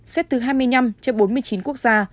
xếp từ hai mươi năm trên bốn mươi chín quốc gia